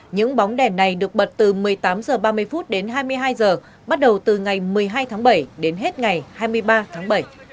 những bóng đèn này được bật từ một mươi tám h ba mươi đến hai mươi hai h bắt đầu từ ngày một mươi hai tháng bảy đến hết ngày hai mươi ba tháng bảy